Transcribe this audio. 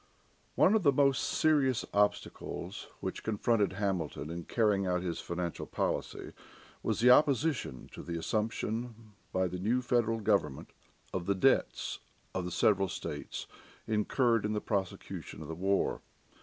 One of the most serious obstacles which confronted Hamilton in carrying out his financial policy was the opposition to the assumption by the new federal government of the debts of the several states incurred in the prosecution of the war.